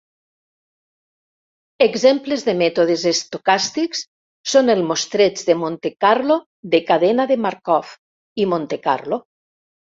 Exemples de mètodes estocàstics són el mostreig de Monte Carlo de cadena de Markov i Monte Carlo.